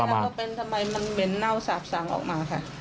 แล้วก็เป็นทำไมมันเหม็นเน่าสาบสั่งออกมาค่ะ